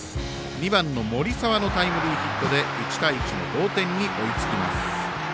２番の森澤のタイムリーヒットで１対１の同点に追いつきます。